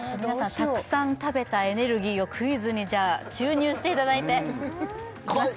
たくさん食べたエネルギーをクイズにじゃあ注入していただいていきます